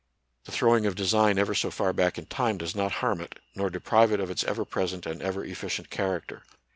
The throwing of design ever so far back in time does not harm it, nor deprive it of its ever present and ever efficient character.